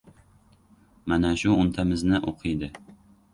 — Mana shu o‘ntamizni o‘qiydi!